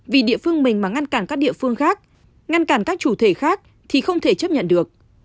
vì địa phương mình mà ngăn cản các địa phương khác ngăn cản các chủ thể khác thì không thể chấp nhận được